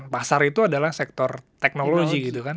pasar itu adalah sektor teknologi